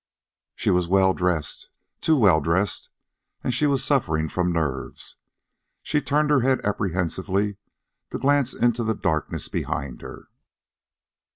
She was well dressed too well dressed; and she was suffering from nerves. She turned her head apprehensively to glance into the darkness behind her.